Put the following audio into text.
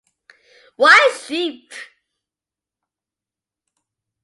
Why sheep?